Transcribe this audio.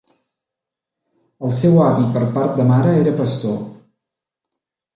El seu avi per part de mare era pastor.